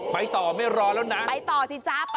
ไปต่อไม่รอแล้วนะไปต่อสิจ๊ะ